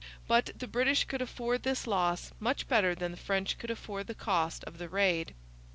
But the British could afford this loss much better than the French could afford the cost of the raid.